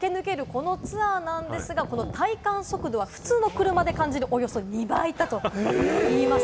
このツアーなんですが、この体感速度は普通の車で感じるおよそ２倍だといいます。